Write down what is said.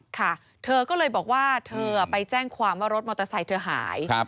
ค่ะเธอก็เลยบอกว่าเธอไปแจ้งความว่ารถมอเตอร์ไซค์เธอหาย